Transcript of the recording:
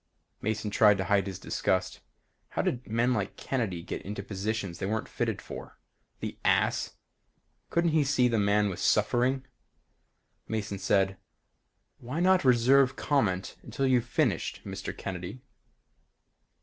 Mason tried to hide his disgust. How did men like Kennedy get into positions they weren't fitted for? The ass! Couldn't he see this man was suffering? Mason said, "Why not reserve comment until you've finished, Mr. Kennedy?"